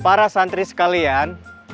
para santri sekalian